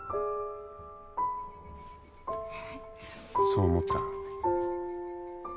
「そう思った」